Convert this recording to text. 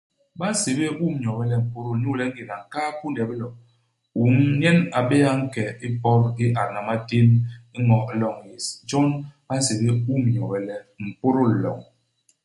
Ba nsébél Um Nyobe le Mpôdôl inyu le ingéda nkaa u kunde u bilo, Um nyen a bé'é a nke ipot i adna i matén i ño u loñ yés. Jon ba nsébél Um Nyobe le Mpôdôl loñ.